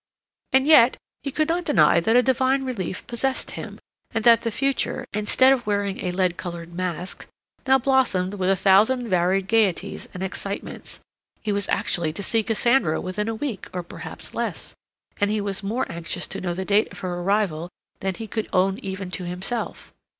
And yet he could not deny that a divine relief possessed him, and that the future, instead of wearing a lead colored mask, now blossomed with a thousand varied gaieties and excitements. He was actually to see Cassandra within a week or perhaps less, and he was more anxious to know the date of her arrival than he could own even to himself.